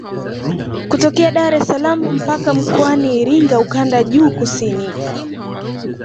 Kutokea Dar es salaam mpaka Mkoani Iringa ukanda juu kusini